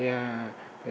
càng về khuya